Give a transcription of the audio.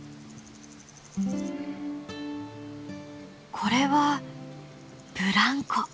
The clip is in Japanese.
これはブランコ！